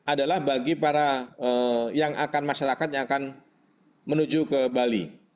adalah bagi para yang akan masyarakat yang akan menuju ke bali